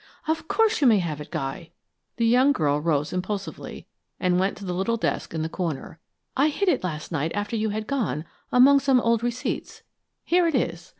"Of course, you may have it, Guy!" The young girl rose impulsively, and went to the little desk in the corner. "I hid it last night after you had gone, among some old receipts; here it is.